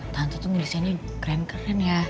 tante tuh ngedesainnya keren keren ya